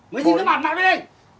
mày đi với mặt mày đi